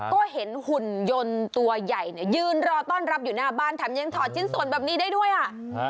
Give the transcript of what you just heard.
ก็เห็นหุ่นยนต์ตัวใหญ่เนี่ยยืนรอต้อนรับอยู่หน้าบ้านแถมยังถอดชิ้นส่วนแบบนี้ได้ด้วยอ่ะ